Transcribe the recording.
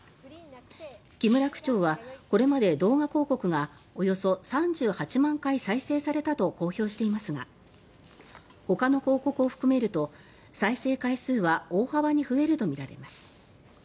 木村区長はこれまで動画広告がおよそ３８万回再生されたと公表していますがほかの広告を含めると再生回数は大幅に増えるとみられます。